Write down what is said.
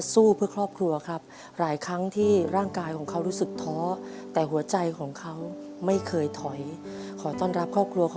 สวัสดีครับ